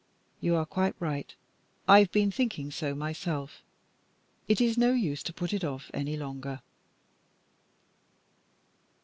You are quite right. I've been thinking so myself. It is no use to put it off any longer."